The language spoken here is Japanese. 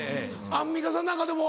アンミカさんなんかでも。